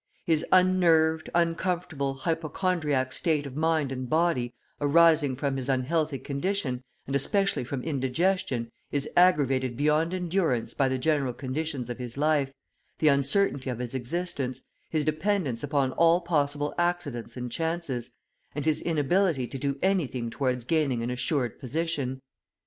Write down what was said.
His unnerved, uncomfortable, hypochondriac state of mind and body arising from his unhealthy condition, and especially from indigestion, is aggravated beyond endurance by the general conditions of his life, the uncertainty of his existence, his dependence upon all possible accidents and chances, and his inability to do anything towards gaining an assured position.